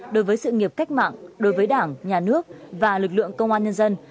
đối với sự nghiệp cách mạng đối với đảng nhà nước và lực lượng công an nhân dân